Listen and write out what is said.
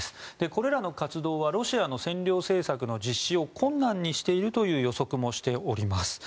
これらの活動はロシアの占領政策の実施を困難にしているという予測もしております。